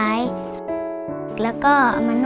พี่น้องของหนูก็ช่วยย่าทำงานค่ะ